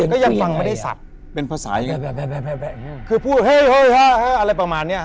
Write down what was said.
แต่ก็ยังฟังไม่ได้สับเป็นภาษาอย่างนี้คือพูดเฮ้ยอะไรประมาณเนี้ย